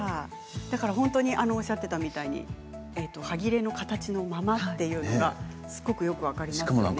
だからおっしゃっていたみたいにはぎれの形のまま、というのがすごくよく分かりますね。